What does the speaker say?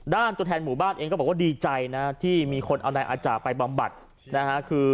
ตัวแทนหมู่บ้านเองก็บอกว่าดีใจนะที่มีคนเอานายอาจาไปบำบัดนะฮะคือ